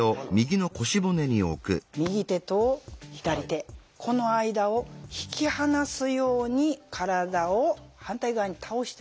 右手と左手この間を引き離すように体を反対側に倒してもらいます。